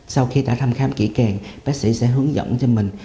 sau khi đã thăm khám kỹ càng bác sĩ sẽ hướng dẫn cho mình